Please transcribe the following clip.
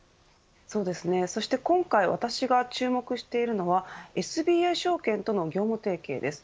そして今回私が注目しているのはＳＢＩ証券との業務提携です。